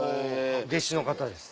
弟子の方です。